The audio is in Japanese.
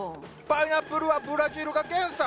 パイナップルはブラジルが原産。